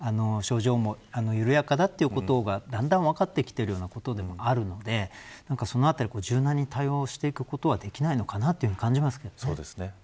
症状も緩やかだということがだんだん分かってきていることでもあるのでそのあたり柔軟に対応していくことはできないのかなと感じますけどね。